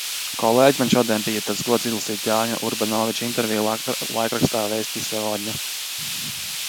"Kolēģi, man šodien bija tas gods izlasīt Jāņa Urbanoviča interviju laikrakstā "Vesti Segodņa"."